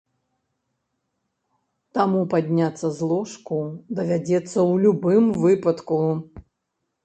Таму падняцца з ложку давядзецца ў любым выпадку.